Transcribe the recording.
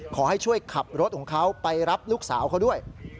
ขอให้ช่วยขับรถของเขาไปรับลูกสาวเขาด้วย